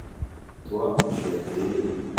toi, tu as été aimé.